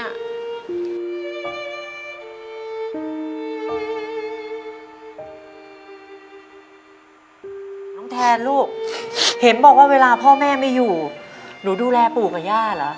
น้องแทนลูกเห็นบอกว่าเวลาพ่อแม่ไม่อยู่หนูดูแลปู่กับย่าเหรอ